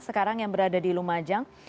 sekarang yang berada di lumajang